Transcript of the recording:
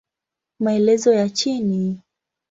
Maelezo ya chini